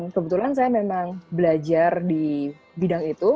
kebetulan saya memang belajar di bidang itu